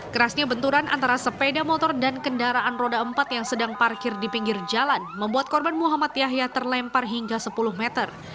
kerasnya benturan antara sepeda motor dan kendaraan roda empat yang sedang parkir di pinggir jalan membuat korban muhammad yahya terlempar hingga sepuluh meter